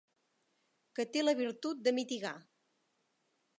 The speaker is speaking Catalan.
Que té la virtut de mitigar.